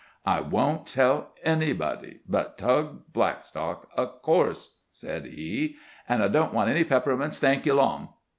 "I won't tell anybody but Tug Blackstock, of course," said he. "An' I don't want any peppermints, thank you, Long."